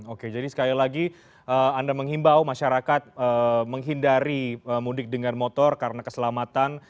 oke jadi sekali lagi anda menghimbau masyarakat menghindari mudik dengan motor karena keselamatan